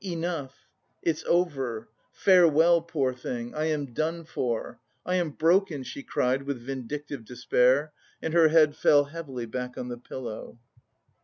"Enough! It's over! Farewell, poor thing! I am done for! I am broken!" she cried with vindictive despair, and her head fell heavily back on the pillow.